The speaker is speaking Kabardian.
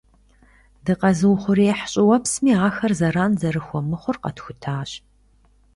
Дыкъэзыухъуреихь щIыуэпсми ахэр зэран зэрыхуэмыхъур къэтхутащ